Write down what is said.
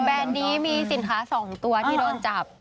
แบรนด์นี้มีสินค้าสองตัวที่โดนจับ